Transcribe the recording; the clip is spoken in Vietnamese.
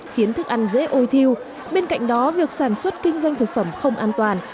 khiến thức ăn dễ ôi thiêu bên cạnh đó việc sản xuất kinh doanh thực phẩm không an toàn